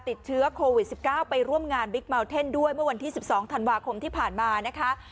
ติดเชื้อโควิด๑๙ไปร่วมงานบิ๊กเมาเทนด้วยเมื่อวันที่๑๒ธันวาคมที่ผ่านมานะคะ